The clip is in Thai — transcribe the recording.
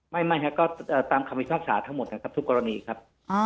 ไม่ก็ตามความวิภาคศาสตร์ทั้งหมดนะครับทุกกรณีครับ